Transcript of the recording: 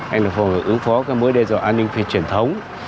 anh đồng phòng ứng phó các mối đe dọa an ninh phía truyền thống